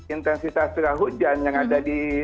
intensitas perahujan yang ada di